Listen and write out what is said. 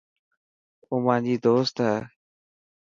او مانجي دوست هي.